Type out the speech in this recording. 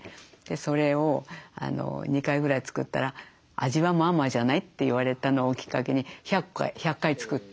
それを２回ぐらい作ったら「味はまあまあじゃない」って言われたのをきっかけに１００回作って。